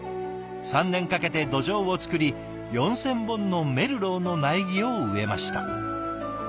３年かけて土壌を作り４，０００本のメルローの苗木を植えました。